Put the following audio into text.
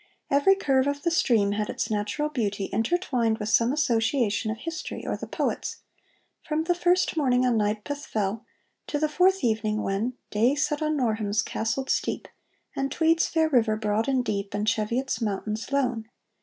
Every curve of the stream had its natural beauty intertwined with some association of history or the poets, from the first morning on Neidpath Fell, to the fourth evening when 'Day set on Norham's castled steep, And Tweed's fair river, broad and deep, And Cheviot's mountains lone.